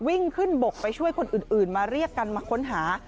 วิ่งขึ้นบกไปช่วยคนอื่นมาเรียกกันมาค้นหา